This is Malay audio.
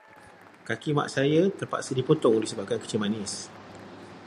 Kaki Mak saya terpaksa dipotong disebabkan kencing manis.